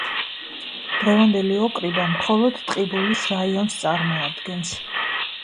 დღევანდელი ოკრიბა მხოლოდ ტყიბულის რაიონს წარმოადგენს.